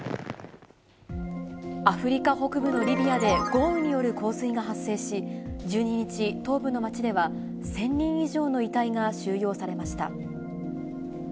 アフリカ北部のリビアで豪雨による洪水が発生し、１２日、東部の町では１０００人以上の遺体が収容されました。